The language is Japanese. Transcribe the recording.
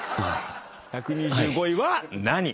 １２５位は何？